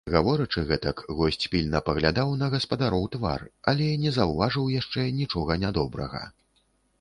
Гаворачы гэтак, госць пільна паглядаў на гаспадароў твар, але не заўважыў яшчэ нічога нядобрага.